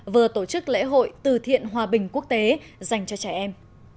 vừa tổ chức lễ hội từ thiện hòa bình quốc tế dành cho trẻ em